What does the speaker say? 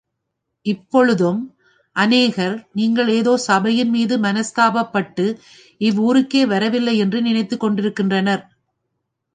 இப்பொழுதும், அநேகர் நீங்கள் ஏதோ சபையின்மீது மனஸ்தாபப்பட்டு இவ்வூருக்கே வரவில்லை யென்று நினைத்துக் கொண்டிருக்கின்றனர்.